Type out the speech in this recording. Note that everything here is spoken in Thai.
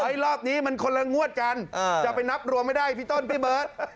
รอบนี้มันคนละงวดกันจะไปนับรวมไม่ได้พี่ต้นพี่เบิร์ต